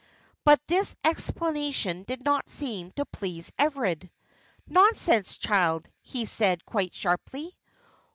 But this explanation did not seem to please Everard. "Nonsense, child!" he said, quite sharply.